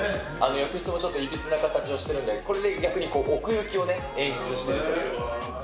浴室もちょっといびつな形をしてるんで、これで逆に奥行きを演出しているという。